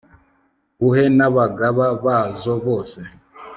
nguhe n'abagaba bazo bose